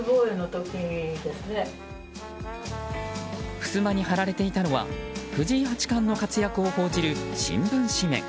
ふすまに貼られていたのは藤井八冠の活躍を報じる新聞紙面。